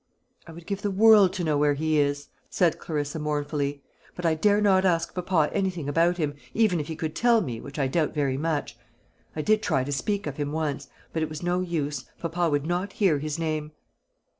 "I would give the world to know where he is," said Clarissa mournfully; "but I dare not ask papa anything about him, even if he could tell me, which I doubt very much. I did try to speak of him once; but it was no use papa would not hear his name."